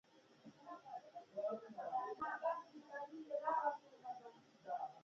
پښتون ژغورني غورځنګ د ټولو پښتنو افغانانو بنديانو خوشي کول غواړي.